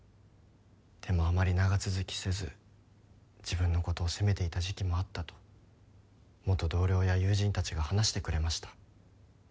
でもあまり長続きせず自分のことを責めていた時期もあったと元同僚や友人たちが話してくれました。